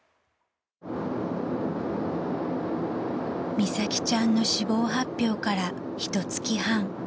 ［美咲ちゃんの死亡発表からひと月半］